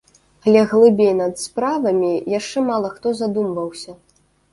Але глыбей над справамі яшчэ мала хто задумваўся.